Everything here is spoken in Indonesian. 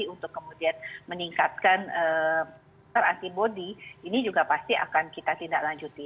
untuk kemudian meningkatkan antipodi ini juga pasti akan kita tindak lanjuti